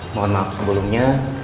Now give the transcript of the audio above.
mohon maaf sebelumnya